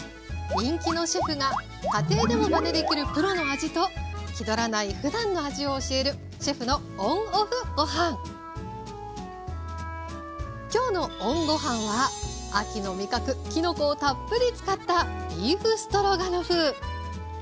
人気のシェフが家庭でもまねできるプロの味と気取らないふだんの味を教える今日のＯＮごはんは秋の味覚きのこをたっぷり使ったビーフストロガノフ。